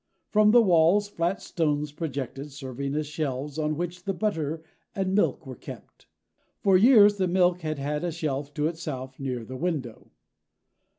From the walls, flat stones projected, serving as shelves on which the butter and milk were kept. For years the milk had had a shelf to itself near the window.